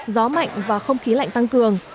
gió mạnh và không khí lạnh tăng cường